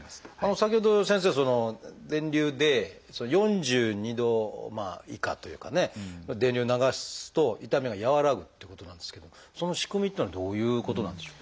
先ほど先生その電流で４２度以下というかね電流を流すと痛みが和らぐっていうことなんですけどその仕組みっていうのはどういうことなんでしょう？